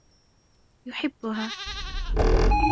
يحبها.